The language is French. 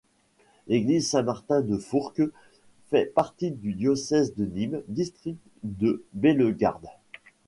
L'église Saint-Martin de Fourques fait partie du diocèse de Nîmes, district de Bellegarde.